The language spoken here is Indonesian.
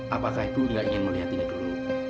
apakah ibu tidak ingin melihat ini dulu